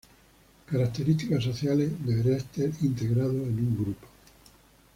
Características sociales: Deberá estar integrado en un grupo.